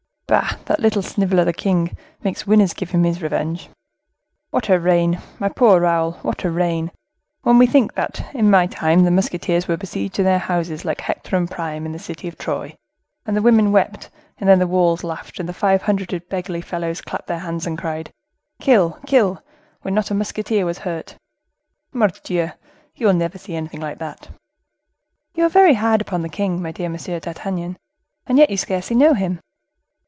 Bah! that little sniveller, the king, makes winners give him his revenge. What a reign! my poor Raoul, what a reign! When we think that, in my time, the musketeers were besieged in their houses like Hector and Priam in the city of Troy; and the women wept, and then the walls laughed, and then five hundred beggarly fellows clapped their hands and cried, 'Kill! kill!' when not one musketeer was hurt. Mordioux! you will never see anything like that." "You are very hard upon the king, my dear Monsieur d'Artagnan and yet you scarcely know him."